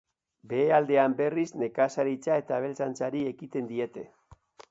Behealdean, berriz, nekazaritza eta abeltzaintzari ekiten diete.